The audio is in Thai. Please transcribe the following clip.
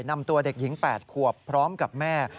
นำตัวเด็กหญิง๘ขวบพร้อมกับแม่